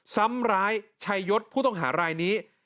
ซ้ำร้ายชัยยศผู้ต้องหารายนี้